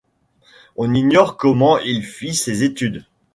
On ignore comment il fit ses études.